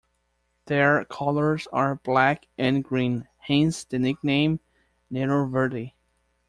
Their colours are black and green, hence the nickname "neroverdi".